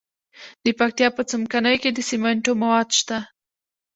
د پکتیا په څمکنیو کې د سمنټو مواد شته.